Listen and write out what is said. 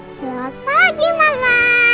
selamat pagi mama